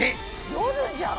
夜じゃん！